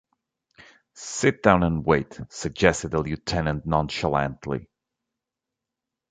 "Sit down and wait," suggested the lieutenant nonchalantly.